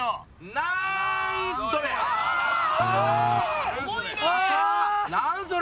なんそれ！